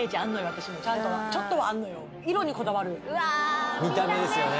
私もちょっとはあんのよ色にこだわる見た目ですよね